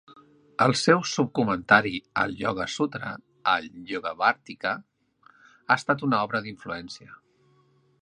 El seu subcomentari al 'Ioga Sutra', el 'Yogavarttika', ha estat una obra d'influència.